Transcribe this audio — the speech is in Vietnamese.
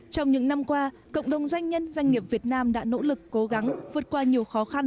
trong những năm qua cộng đồng doanh nhân doanh nghiệp việt nam đã nỗ lực cố gắng vượt qua nhiều khó khăn